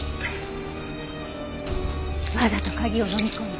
わざと鍵を飲み込んだ。